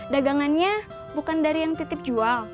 dagangannya bukan dari yang titip jual